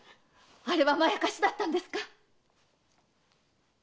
あれはまやかしだったんですか？